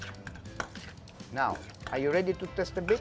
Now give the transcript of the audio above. sekarang apakah kamu siap untuk mencoba sedikit